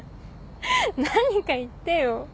何か言ってよ。